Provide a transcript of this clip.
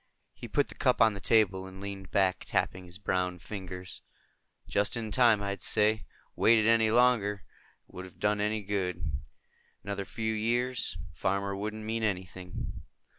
He put the cup on the table and leaned back, tapping his browned fingers. "Just in time, I'd say. Waited any longer, it wouldn't have done any good. Another few years, a farmer wouldn't mean anything."